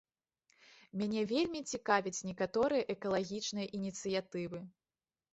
Мяне вельмі цікавяць некаторыя экалагічныя ініцыятывы.